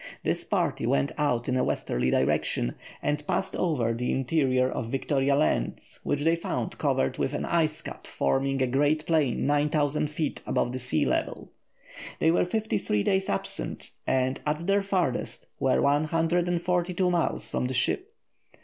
This party went out in a westerly direction and passed over the interior of Victoria Land, which they found covered with an ice cap forming a great plain 9000 feet above the sea level. They were fifty three days absent, and, at their farthest, were 142 miles from the ship.